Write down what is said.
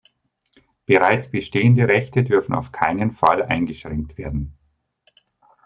Bereits bestehende Rechte dürfen auf keinen Fall eingeschränkt werden.